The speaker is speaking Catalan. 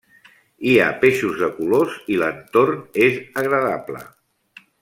Hi ha peixos de colors i l'entorn és agradable.